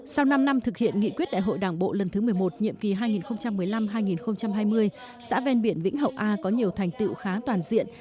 sau năm năm thực hiện nghị quyết đại hội đảng bộ lần thứ một mươi một nhiệm kỳ hai nghìn một mươi năm hai nghìn hai mươi xã ven biển vĩnh hậu a có nhiều thành tựu khá toàn diện